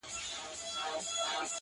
چي د ژوند د رنګینیو سر اغاز دی,